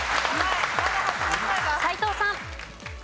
斎藤さん。